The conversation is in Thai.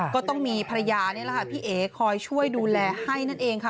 ก็ต้องมีภรรยานี่แหละค่ะพี่เอ๋คอยช่วยดูแลให้นั่นเองค่ะ